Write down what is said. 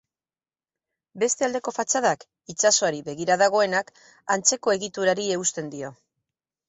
Beste aldeko fatxadak, itsasoari begira dagoenak, antzeko egiturari eusten dio.